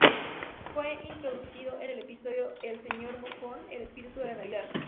Fue introducido en el episodio El Sr. Mojón, el espíritu de la Navidad.